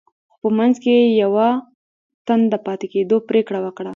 خو په منځ کې يې يوه تن د پاتې کېدو پرېکړه وکړه.